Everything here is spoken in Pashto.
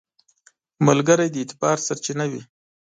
ملګری د اعتبار سرچینه وي